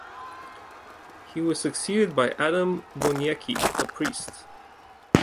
He was succeeded by Adam Boniecki, a priest.